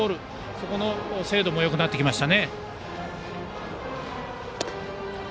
そこの精度もよくなってきました。